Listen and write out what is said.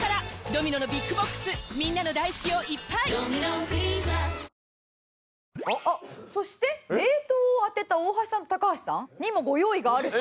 お化けフォーク⁉そして「冷凍」を当てた大橋さんと高橋さんにもご用意があると。